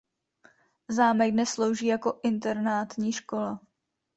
Zámek dnes slouží jako internátní škola.